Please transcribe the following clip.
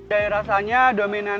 dari rasanya dominan